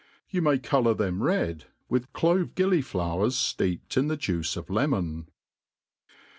You may colour them red with clove gilliflowers fleeped in the juice of lemon..